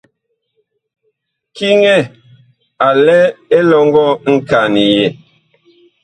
Kiŋɛ a lɛ elɔŋgɔ nkanyɛɛ.